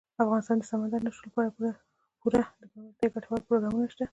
افغانستان کې د سمندر نه شتون لپاره پوره دپرمختیا ګټور پروګرامونه شته دي.